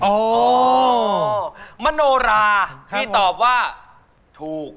โอ้มโนราที่ตอบว่าถูก